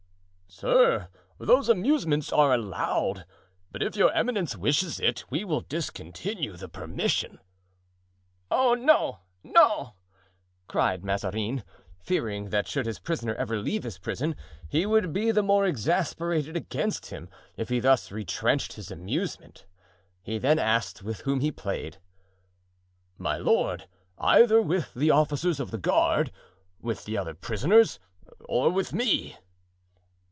"Sir, those amusements are allowed; but if your eminence wishes it, we will discontinue the permission." "No, no!" cried Mazarin, fearing that should his prisoner ever leave his prison he would be the more exasperated against him if he thus retrenched his amusement. He then asked with whom he played. "My lord, either with the officers of the guard, with the other prisoners, or with me."